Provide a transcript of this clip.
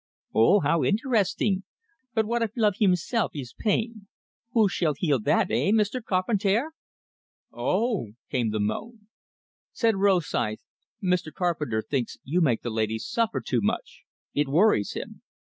"Oh, how eenteresting! But what eef love heemself ees pain who shall heal that, eh, Meester Carpentair?" "O o o o o o o o h!" came the moan. Said Rosythe: "Mr. Carpenter thinks you make the ladies suffer too much. It worries him."